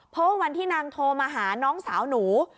เพราะวันที่นางโทรมาหาน้องสาวหนู